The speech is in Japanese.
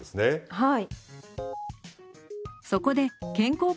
はい。